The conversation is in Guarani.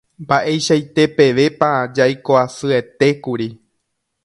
Mba'eichaite pevépa jaikoasyetékuri.